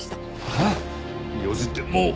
えっ４時ってもう。